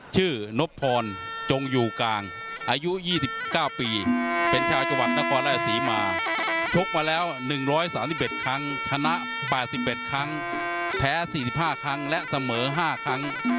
ชื่อนบพรจงอยู่กลางอายุ๒๙ปีเป็นชาวจังหวัดนครรภ์และศรีมา